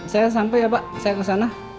saya sampai ya pak saya kesana